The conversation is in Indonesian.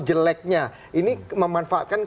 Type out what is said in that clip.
jeleknya ini memanfaatkan